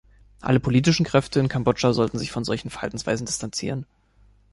Alle politischen Kräfte in Kambodscha sollten sich von solchen Verhaltensweisen distanzieren.